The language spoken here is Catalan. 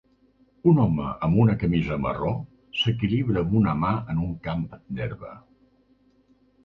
Un home amb una camisa marró s'equilibra amb una mà en un camp d'herba.